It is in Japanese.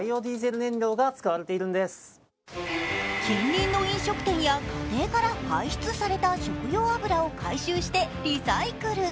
近隣の飲食店や家庭から排出された食用油を回収してリサイクル。